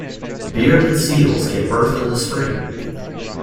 Bearded seals give birth in the spring.